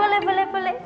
boleh boleh boleh